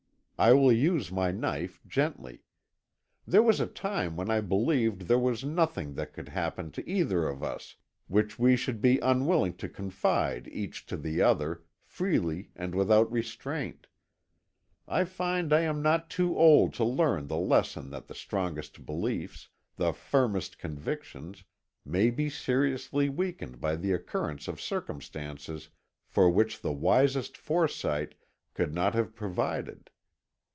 I will use my knife gently. There was a time when I believed there was nothing that could happen to either of us which we should be unwilling to confide each to the other, freely and without restraint. I find I am not too old to learn the lesson that the strongest beliefs, the firmest convictions, may be seriously weakened by the occurrence of circumstances for which the wisest foresight could not have provided.